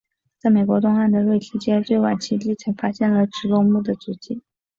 在美国东岸的瑞提阶最晚期地层发现了植龙目的足迹。